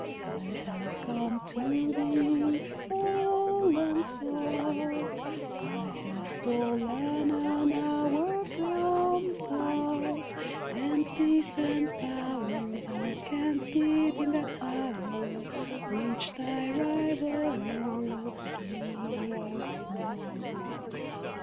I have come to thee, all unsought, I have stolen an hour from thought, And peace and power thou canst give in that hour, Which thy rival Earth gives not.